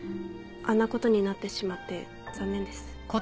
あんなことになってしまって残念です。